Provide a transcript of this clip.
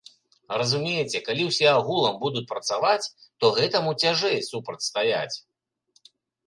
Разумееце, калі ўсе агулам будуць працаваць, то гэтаму цяжэй супрацьстаяць.